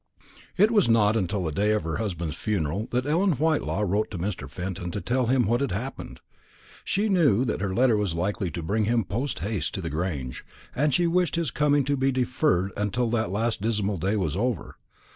It was not until the day of her husband's funeral that Ellen Whitelaw wrote to Mr. Fenton to tell him what had happened. She knew that her letter was likely to bring him post haste to the Grange, and she wished his coming to be deferred until that last dismal day was over.